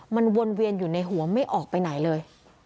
มันวนเวียนอยู่ในหัวไม่ออกไปไหนเลย